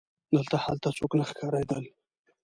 دلته هلته څوک نه ښکارېدل.